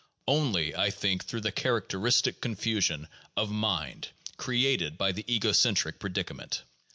Only, I think, through the characteristic confusion of mind created by the ego centric predicament.